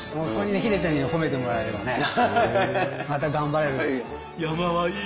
秀ちゃんに褒めてもらえればねまた頑張れる。